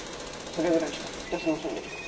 それぐらいしか聞き出せませんでした。